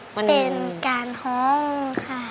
เป็นการห้องค่ะ